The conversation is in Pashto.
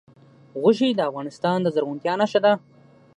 غوښې د افغانستان د زرغونتیا نښه ده.